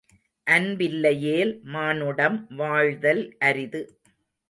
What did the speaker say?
அன்பில்லையேல் மானுடம் வாழ்தல் அரிது.